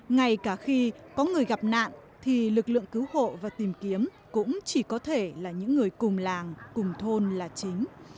ngay cả khi có người gặp nạn thì lực lượng cứu hộ và tìm kiếm cũng chỉ có thể là những người cùng làng cùng thôn là chính